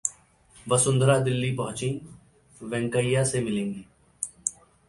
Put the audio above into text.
वसुंधरा दिल्ली पहुंची, वैंकेया से मिलेंगी